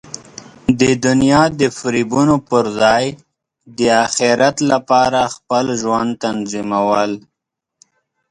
د دنیا د فریبونو پر ځای د اخرت لپاره خپل ژوند تنظیمول.